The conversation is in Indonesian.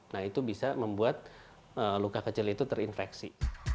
nah itu bisa membuat luka kecil itu terinfeksi